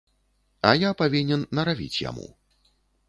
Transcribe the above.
А я павінен наравіць яму.